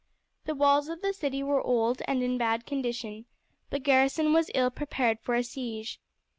The walls of the city were old and in bad condition, the garrison was ill prepared for a siege.